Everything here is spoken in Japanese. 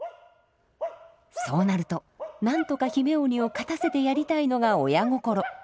そうなるとなんとか姫鬼を勝たせてやりたいのが親心。